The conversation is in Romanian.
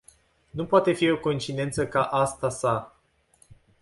Nu poate fi o coincidenta ca asta s-a.